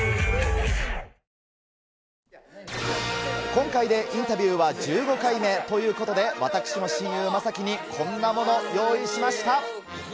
今回でインタビューは１５回目。ということで、私も親友、将暉にこんなもの、用意しました。